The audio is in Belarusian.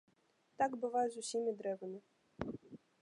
Так бывае з усімі дрэвамі.